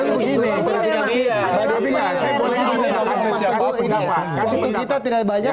mas teguh ini waktu kita tidak banyak